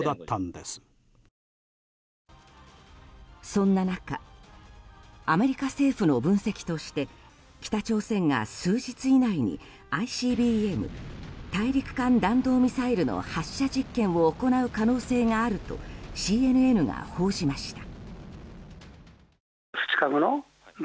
そんな中アメリカ政府の分析として北朝鮮が数日以内に、ＩＣＢＭ・大陸間弾道ミサイルの発射実験を行う可能性があるとＣＮＮが報じました。